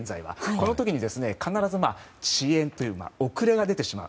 この時に必ず、遅延という遅れが出てしまう。